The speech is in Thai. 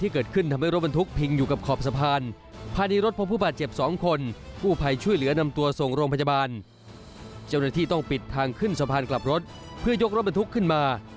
ขึ้นสะพานกลับรถเพื่อยกรอบวันทุกขึ้นมา